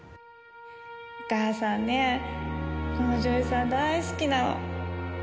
お母さんねこの女優さん大好きなの。